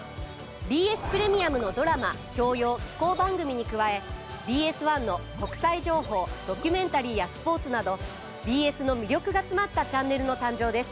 ＢＳプレミアムのドラマ教養紀行番組に加えＢＳ１の国際情報ドキュメンタリーやスポーツなどＢＳの魅力が詰まったチャンネルの誕生です。